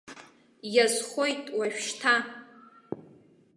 Иазхоит уажәшьҭа!